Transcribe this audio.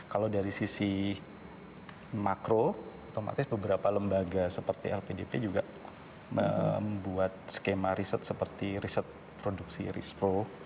kalau dari sisi makro otomatis beberapa lembaga seperti lpdp juga membuat skema riset seperti riset produksi risk pro